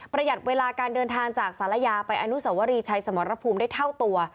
หยัดเวลาการเดินทางจากศาลยาไปอนุสวรีชัยสมรภูมิได้เท่าตัว